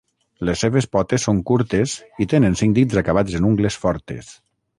Les seves potes són curtes i tenen cinc dits acabats en ungles fortes.